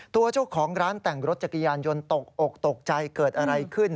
ตัวเจ้าของร้านแต่งรถจักรยานยนต์ตกอกตกใจเกิดอะไรขึ้น